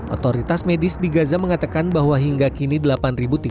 otoritas medis di gaza mengatakan bahwa hingga kini delapan tiga ratus enam warga palestina